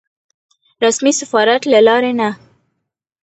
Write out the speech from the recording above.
رسمي سفارت له لارې نه.